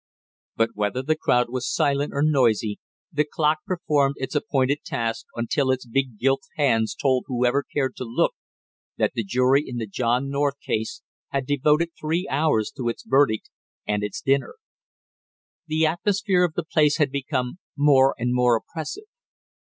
But whether the crowd was silent or noisy the clock performed its appointed task until its big gilt hands told whoever cared to look that the jury in the John North case had devoted three hours to its verdict and its dinner. The atmosphere of the place had become more and more oppressive.